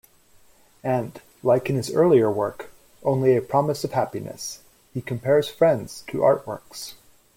And-like in his earlier work, "Only a Promise of Happiness"-he compares friends to artworks.